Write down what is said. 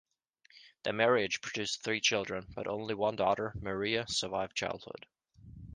Their marriage produced three children, but only one daughter, Maria, survived childhood.